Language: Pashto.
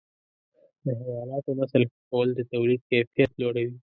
د حیواناتو نسل ښه کول د تولید کیفیت لوړوي.